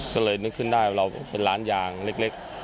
ก็เลยนึกขึ้นได้ว่าเราเป็นร้านยางเล็ก